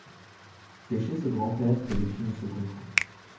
C'est chez ce grand-père que le film se conclut.